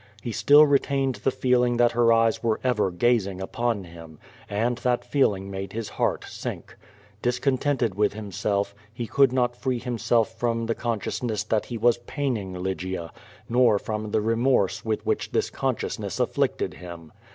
He still retained the feeling that her eyes were ever gazing upon him, and that feeling made his heart sink. Discontented with himself, he could not free himself from the consciousness that he was paining I^ygia, nor from the remorse with whicli this consciousness aillicted him.